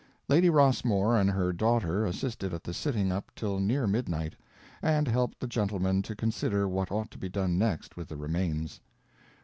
Lady Rossmore and her daughter assisted at the sitting up till near midnight, and helped the gentlemen to consider what ought to be done next with the remains.